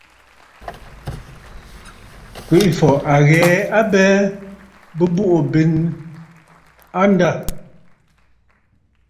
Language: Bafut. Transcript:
Kwèʼefɔ̀ à ghɛ̀ɛ a abɛɛ bɨ̀bùʼù benə̀ a ndâ.